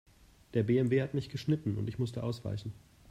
Der BMW hat mich geschnitten und ich musste ausweichen.